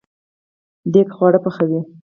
دیګ خواړه پخوي